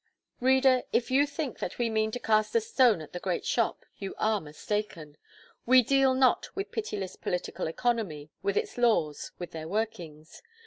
Reader, if you think that we mean to cast a stone at the great shop, you are mistaken. We deal not with pitiless political economy, with its laws, with their workings.